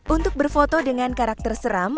untuk berfoto dengan karakter seram